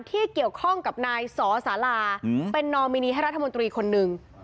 ที่เกี่ยวข้องกับนายสอสาราเป็นนอมินีให้รัฐมนตรีคนหนึ่ง